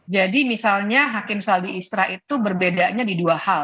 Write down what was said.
jadi misalnya hakim saldi isra itu berbedanya di dua hal